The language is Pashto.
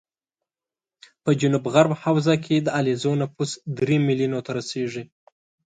په جنوب غرب حوزه کې د علیزو نفوس درې ملیونو ته رسېږي